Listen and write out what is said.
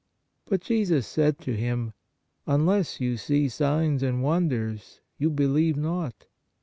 But Jesus said to him : Un less you see signs and wonders, you believe not."